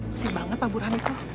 mesir banget pak burhan itu